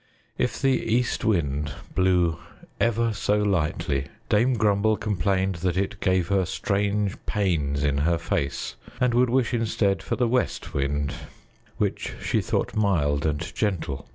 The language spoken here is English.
If the East Wind blew ever so lightly, Dame Grumble complained that it gave her strange pains in her face, and would wish instead for the West Wind, which she thought mild and gentle.